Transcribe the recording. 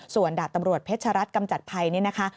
ส่วนดาบตำรวจเพชรัตนกำจัดภัยนี่นะคะ